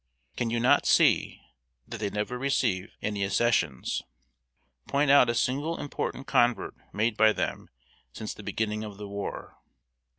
Can you not see that they never receive any accessions? Point out a single important convert made by them since the beginning of the war.